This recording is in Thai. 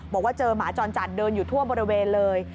บอกว่าเจอหมาจรจัดเดินอยู่ทั่วบริเวณเลย